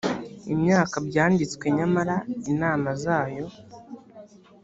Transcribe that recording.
imyaka byanditswe nyamara inama zayo